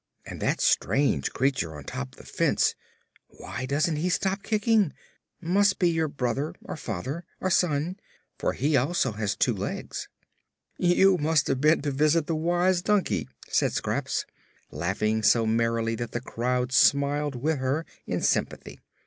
And that strange creature on top the fence why doesn't he stop kicking? must be your brother, or father, or son, for he also has two legs." "You must have been to visit the Wise Donkey," said Scraps, laughing so merrily that the crowd smiled with her, in sympathy.